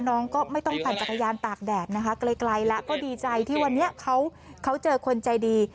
น้องก็ไม่ต้องปั่นจักรยานตากแดดนะคะไกลแล้วก็ดีใจที่วันนี้เขาเจอคนใจดี